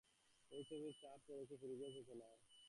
এই ছবির ছাপ পড়েছে ফিরোজের চেতনায়।